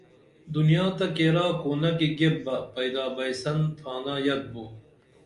دنیا تہ کیرا کونہ کی گیپ بہ پیدا بئیسن تھانہ یت بو